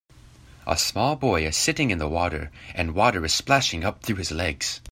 A small boy is sitting in the water and water is splashing up through his legs.